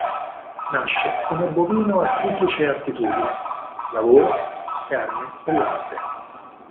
Nasce come bovino a triplice attitudine: lavoro, carne e latte.